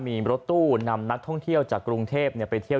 มีรถตู้นำนักท่องเที่ยวจากกรุงเทพไปเที่ยว